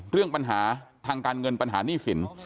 เรื่องปัญหาทางการเงินปัญหาหนี้สิน